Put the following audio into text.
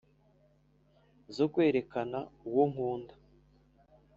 zo kwerekaana uwo nkunda